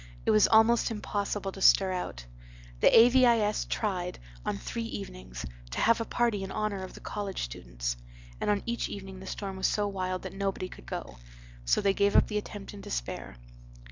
It was almost impossible to stir out. The A.V.I.S. tried, on three evenings, to have a party in honor of the college students, and on each evening the storm was so wild that nobody could go, so they gave up the attempt in despair.